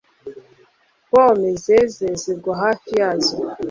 pome zeze zigwa hafi yazo